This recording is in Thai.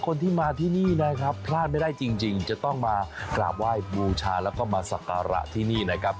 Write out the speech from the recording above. คนที่มาที่นี่นะครับพลาดไม่ได้จริงจะต้องมากราบไหว้บูชาแล้วก็มาสักการะที่นี่นะครับ